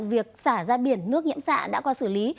việc xả ra biển nước nhiễm xạ đã qua xử lý